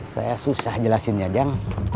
saya susah jelasinnya jam